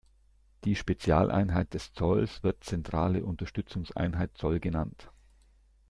Die Spezialeinheit des Zolls wird Zentrale Unterstützungseinheit Zoll genannt.